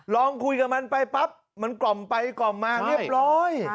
ลองคุยกับมันไปปั๊บมันกล่อมไปกล่อมมาเรียบร้อย